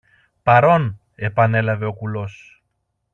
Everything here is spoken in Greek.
Παρών! επανέλαβε ο κουλός.